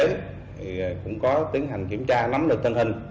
thì cũng có tiến hành kiểm tra nắm được tình hình